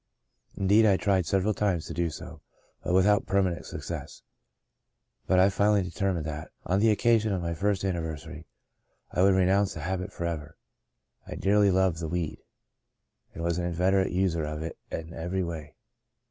Indeed, I tried several times to do so, but without permanent success. But I finally determined that, on the occasion of my first anniversary, I would renounce the habit forever, I dearly loved *the weed,' and was an inveterate user of it in every way.